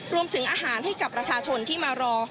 รวมถึงอาหารให้กับประชาชนที่มารอ